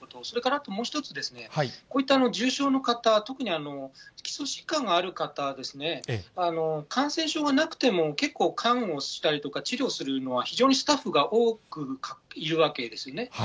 それからあともう一つ、こういった重症の方、特に基礎疾患がある方ですね、感染症がなくても、結構看護したりとか、治療するのは非常にスタッフが多くいるわけですよね。